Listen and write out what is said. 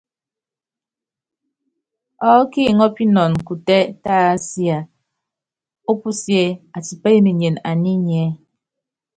Ɔɔ́ kiŋɔ́pinɔnɔ kutɛ́ tásia ópusíé atipá emenyene aní inyiɛ́.